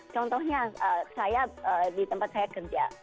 contohnya saya di tempat saya kerja